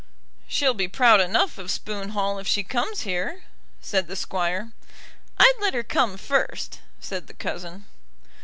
"She'll be proud enough of Spoon Hall if she comes here," said the Squire. "I'd let her come first," said the cousin.